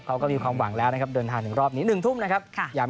เขาก็มีความหวังแล้วนะครับเดินทางถึงรอบนี้๑ทุ่มนะครับ